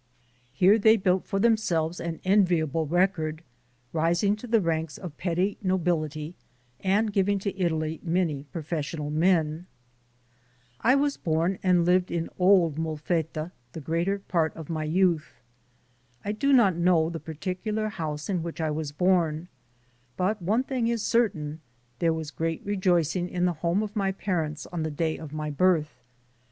Here they built for themselves an enviable record, rising to the ranks of petty nobility and giving to Italy many professional men. I was born and lived in old Molfetta the greater part of my youth. I do not know the particular house in which I was born, but one thing is certain : there was great rejoicing in the home of my parents on the day of my birth.